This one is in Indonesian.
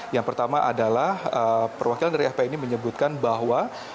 yang pertama adalah perwakilan dari fpi ini menyebutkan bahwa